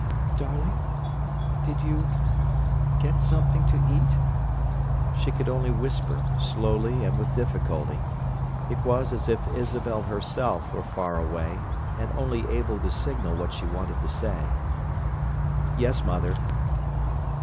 "Darling, did you—get something to eat?" She could only whisper, slowly and with difficulty. It was as if Isabel herself were far away, and only able to signal what she wanted to say. "Yes, mother."